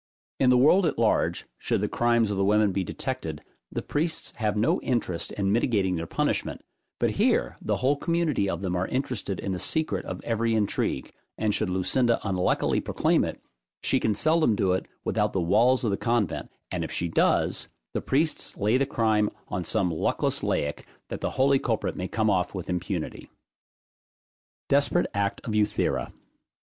In the world at large, should the crimes of the women be detected, the priests have no interest in mitigating their punishment; but here the whole community of them are interested in the secret of every intrigue, and should Lucinda unluckily proclaim it, she can seldom do it without the walls of the convent, and if she does, the priests lay the crime on some luckless laic, that the holy culprit may come off with impunity. DESPERATE ACT OF EUTHIRA.